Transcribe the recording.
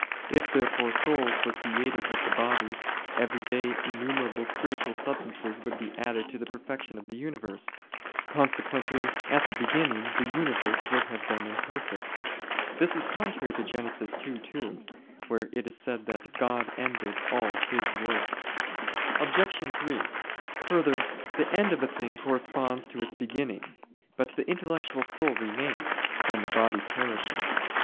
If therefore souls were created with the bodies, every day innumerable spiritual substances would be added to the perfection of the universe: consequently at the beginning the universe would have been imperfect. This is contrary to Gen. 2:2, where it is said that "God ended" all "His work." Obj. 3: Further, the end of a thing corresponds to its beginning. But the intellectual soul remains, when the body perishes.